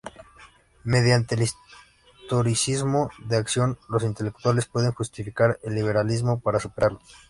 Mediante el historicismo de acción, los intelectuales pueden justificar el liberalismo para superarlo.